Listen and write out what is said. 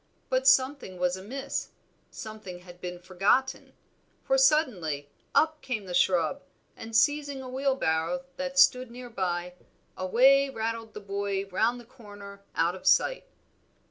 But something was amiss, something had been forgotten, for suddenly up came the shrub, and seizing a wheelbarrow that stood near by, away rattled the boy round the corner out of sight.